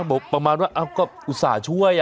บอกประมาณว่าก็อุตส่าห์ช่วย